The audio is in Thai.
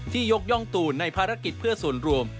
ยกย่องตูนในภารกิจเพื่อส่วนรวม